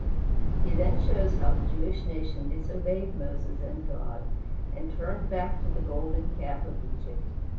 He then shows how the Jewish nation disobeyed Moses and God, and turned back to the golden calf of Egypt.